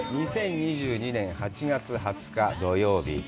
２０２２年８月２０日、土曜日。